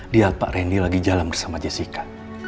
lihat pak randy lagi jalan bersama jessica